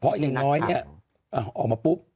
เพราะอย่างน้อยเนี่ยออกมาปุ๊บ